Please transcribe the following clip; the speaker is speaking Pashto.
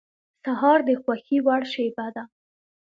سهار د خوښې وړ شېبه ده.